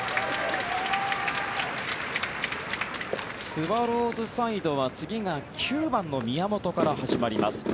スワローズサイドは次が９番の宮本から始まります。